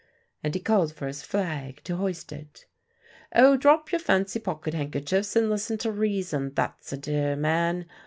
And he called for his flag, to hoist it. "Oh, drop your fancy pocket handkerchiefs, and listen to reason, that's a dear man!